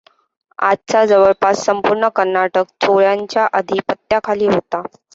आजचा जवळपास संपूर्ण कर्नाटक चोलांच्या अधिपत्याखाली होता.